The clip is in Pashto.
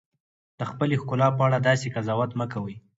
د خپلې ښکلا په اړه داسې قضاوت مه کوئ.